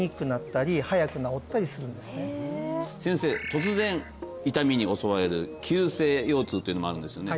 突然痛みに襲われる急性腰痛というのもあるんですよね